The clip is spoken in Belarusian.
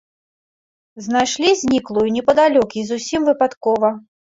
Знайшлі зніклую непадалёк і зусім выпадкова.